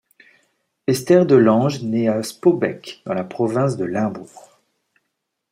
Esther de Lange naît à Spaubeek, dans la province de Limbourg.